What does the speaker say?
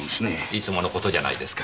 いつものことじゃないですか。